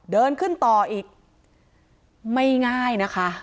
เดินขึ้นต่ออีกไม่ง่ายนะคะ